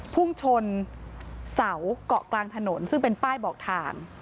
พุ่งชนเสาเกาะกลางถนนซึ่งเป็นป้ายบอกทาง